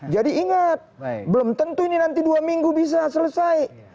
ingat belum tentu ini nanti dua minggu bisa selesai